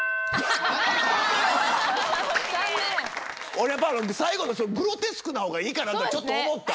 俺やっぱ最後のグロテスクな方がいいかなってちょっと思った。